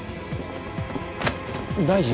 大臣。